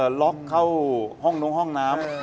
เออล็อกเข้าห้องน้องห้องน้ำ